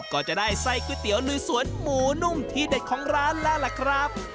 ก็จะได้ไส้ก๋วยเตี๋ยวลุยสวนหมูนุ่มที่เด็ดของร้านแล้วล่ะครับ